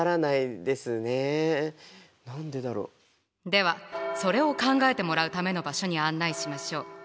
ではそれを考えてもらうための場所に案内しましょう。